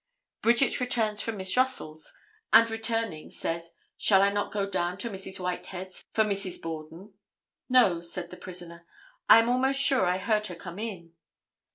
Bridget returns from Miss Russell's, and, returning says: "Shall I not go down to Mrs. Whitehead's for Mrs. Borden?" "No," said the prisoner, "I am almost sure I heard her come in."